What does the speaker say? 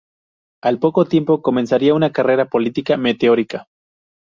Al poco tiempo comenzaría una carrera política meteórica.